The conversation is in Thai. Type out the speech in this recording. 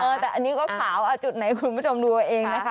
แต่อันนี้ก็ขาวจุดไหนคุณผู้ชมดูเอาเองนะคะ